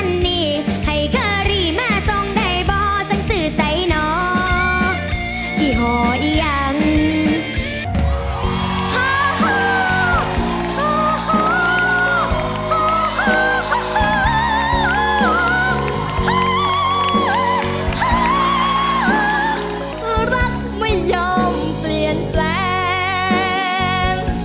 รักไม่ยอมเปลี่ยนแปลง